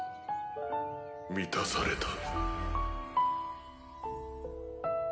満たされた。